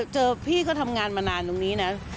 พี่ก็ทำงานมานานตรงนี้นะ